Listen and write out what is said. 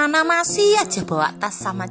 tuh pas lagi kenapa pastinya